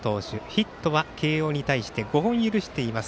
ヒットは慶応に対して５本許しています。